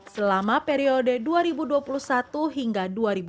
selama periode dua ribu dua puluh satu hingga dua ribu dua puluh